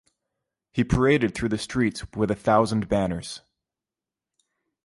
He paraded through the streets with a thousand banners.